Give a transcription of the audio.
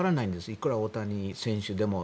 いくら大谷選手でも。